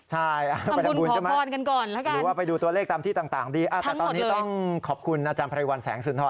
ใช่ไปทำบุญใช่ไหมหรือว่าไปดูตัวเลขตามที่ต่างดีแต่ตอนนี้ต้องขอบคุณอาจารย์ไพรวัลแสงสุนทร